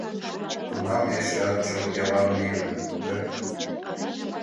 Тунам ме эшеат чот пиалан лийына, да?